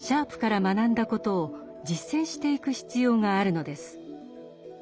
シャープから学んだことを実践していく必要があるのです。